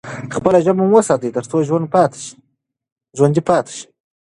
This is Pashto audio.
خپله ژبه مو وساتئ ترڅو ژوندي پاتې شئ.